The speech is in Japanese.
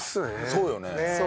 そうよね。